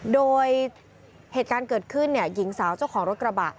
โดยเหตุการณ์เกิดขึ้นหญิงสาวเจ้าของรถกระบะ